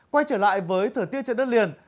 quay trở lại với thời tiết trên đất liền